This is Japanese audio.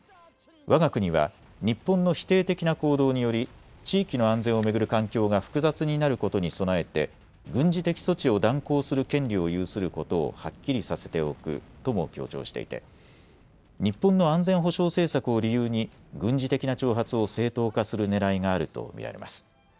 わが国は日本の否定的な行動により地域の安全を巡る環境が複雑になることに備えて軍事的措置を断行する権利を有することをはっきりさせておくとも強調していて日本の安全保障政策を理由に軍事的な挑発を正当化するねらいがあると見られます。